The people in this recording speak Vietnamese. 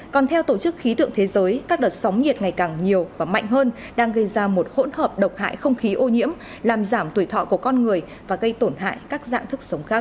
còn theo tổ chức khí tượng thế giới các đợt sóng nhiệt ngày càng nhiều và mạnh hơn đang gây ra một hỗn hợp độc hại không khí ô nhiễm làm giảm tuổi thọ của con người và gây tổn hại các dạng thức sống khác